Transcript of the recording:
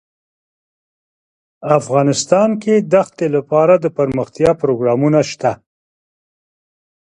افغانستان کې د ښتې لپاره دپرمختیا پروګرامونه شته.